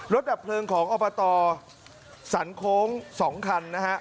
ดับเพลิงของอบตสันโค้ง๒คันนะฮะ